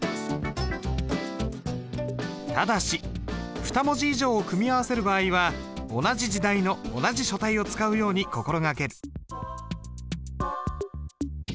ただし２文字以上を組み合わせる場合は同じ時代の同じ書体を使うように心がける。